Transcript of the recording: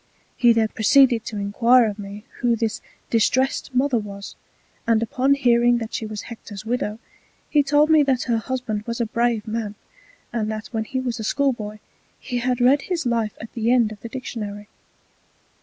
He then proceeded to enquire of me who this Distrest Mother was; and upon hearing that she was Hector's Widow, he told me that her Husband was a brave Man, and that when he was a Schoolboy he had read his Life at the end of the Dictionary.